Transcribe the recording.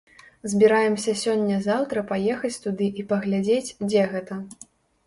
Збіраемся сёння-заўтра паехаць туды і паглядзець, дзе гэта.